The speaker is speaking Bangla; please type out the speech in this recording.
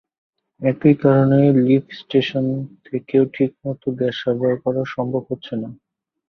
একই কারণেগ্রিন লিফ স্টেশন থেকেও ঠিকমতো গ্যাস সরবরাহ করা সম্ভব হচ্ছে না।